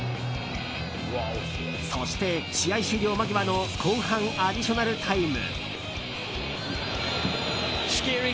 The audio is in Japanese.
そして試合終了間際の後半アディショナルタイム。